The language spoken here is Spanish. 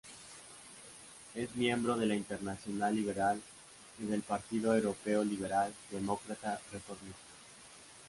Es miembro de la Internacional Liberal y del Partido Europeo Liberal Demócrata Reformista.